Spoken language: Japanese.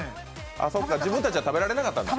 自分たちは食べられなかったのね。